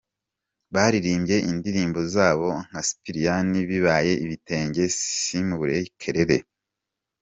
Baririmbye indirimbo zabo nka Sipiriyani, Bibaye, Ibitenge, Simubure ,Kelele.